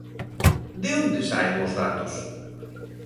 ¿De onde saen os datos?